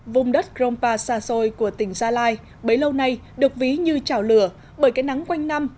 vùng đất krompa xa xôi của tỉnh gia lai bấy lâu nay được ví như chảo lửa bởi cái nắng quanh năm